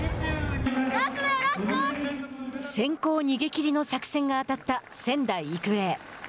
先行逃げ切りの作戦が当たった仙台育英。